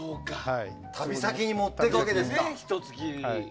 旅先に持っていくわけですか。